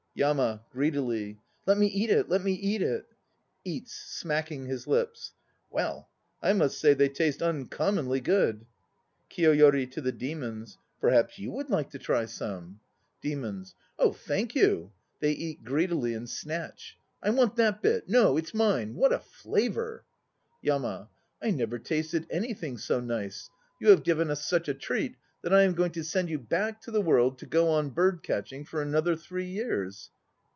YAMA (greedily). Let me eat it, let me eat it. (Eats, smacking his lips.) Well ! I must say they taste uncommonly good ! KIYOYORI (to the DEMONS). Perhaps you would like to try some? KYOGEN 259 DEMONS. Oh, thank you! (They eat greedily and snatch.) I want that bit! No, it's mine! What a flavour! YAMA. I never tasted anything so nice. You have given us such a treat that I am going to send you back to the world to go on bird catching for another three years.